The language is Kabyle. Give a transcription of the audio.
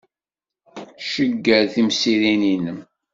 Cegger timsirin-nnem.